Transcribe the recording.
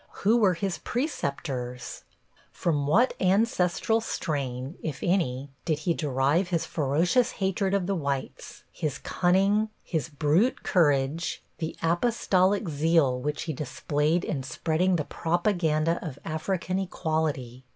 Who were his preceptors? From what ancestral strain, if any, did he derive his ferocious hatred of the whites, his cunning, his brute courage, the apostolic zeal which he displayed in spreading the propaganda of African equality?